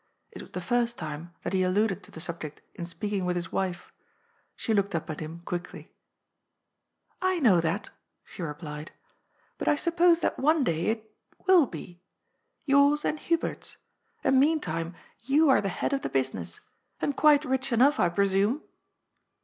It was the first time that he alluded to the subject in speaking with, his wife. She looked up at him quickly. " I know that," she replied, " but I suppose that one day THE BRIDE ASKS FOE FLOWERS. 185 it — ^will be. Yours and Hubert's. And, meantime, you are the head of the business. And quite rich enough, I pre sume."